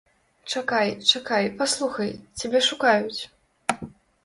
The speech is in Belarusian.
Чакай, чакай, паслухай, цябе шукаюць.